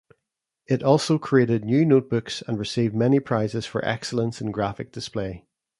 It also created new notebooks and received many prizes for excellence in graphic display.